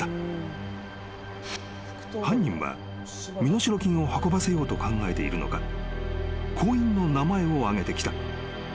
［犯人は身代金を運ばせようと考えているのか行員の名前を挙げてきた］